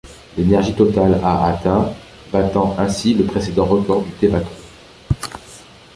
L'énergie totale a atteint battant ainsi le précédent record du Tevatron.